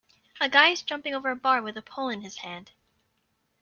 A guy is jumping over a bar with a pole in his hand.